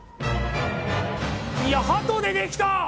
いやハト出てきた！